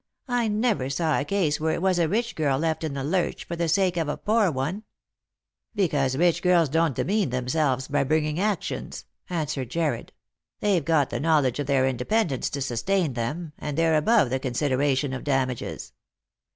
I never saw a case where it was a rich girl left in the lurch for the sake of a poor one." " Because rich girls don't demean themselves by bringing actions,'' answered Jarred; " they've got the knowledge of their independence to sustain them, and they're above the considera tion of damages."